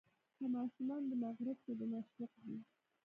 که ماشومان د مغرب که د مشرق دي.